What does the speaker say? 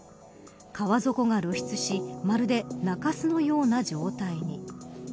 川底が露出しまるで中洲のような状態に。